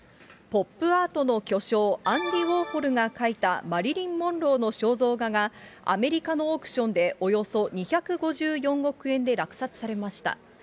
ポップアートの巨匠、アンディ・ウォーホルが描いたマリリン・モンローの肖像画がアメリカのオークションでおよそ２５４億円で落札されました。